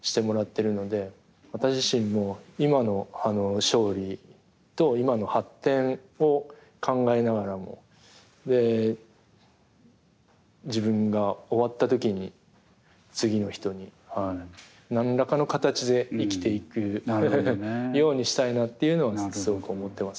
私自身も今の勝利と今の発展を考えながらも自分が終わった時に次の人に何らかの形で生きていくようにしたいなっていうのをすごく思ってますねはい。